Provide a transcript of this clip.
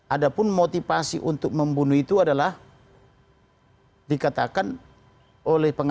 ada pun motivasi untuk membunuh itu adalah dikatakan oleh pengadilan